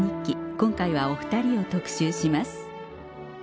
今回はお２人を特集します